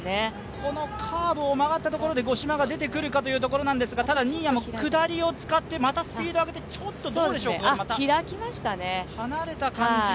このカーブを曲がったところで五島が出てくるかというところですが、ただ新谷も下りを使って、またスピードを使ってどうでしょうか。